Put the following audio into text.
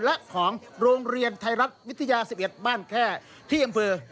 และของโรงเรียนไทยรัฐวิทยา๑๑บ้านแค่ที่อำเภอ